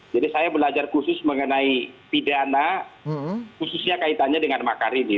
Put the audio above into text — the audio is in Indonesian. jadi saya belajar khusus mengenai pidana khususnya kaitannya dengan makar ini